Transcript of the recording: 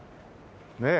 ねえ。